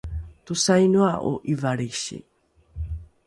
tosainoa’o ’ivalrisi?